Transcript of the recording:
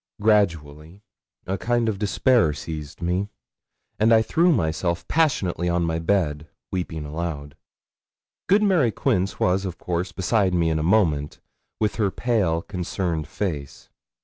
Gradually a kind of despair seized me, and I threw myself passionately on my bed, weeping aloud. Good Mary Quince was, of course, beside me in a moment, with her pale, concerned face.